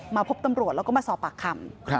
มาพบตำรวจแล้วก็มาสอบปากคำ